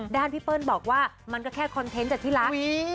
พี่เปิ้ลบอกว่ามันก็แค่คอนเทนต์จากที่รัก